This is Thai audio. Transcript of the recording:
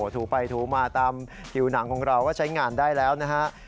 ถูไปถูมาตามผิวหนังของเราก็ใช้งานได้แล้วนะฮะ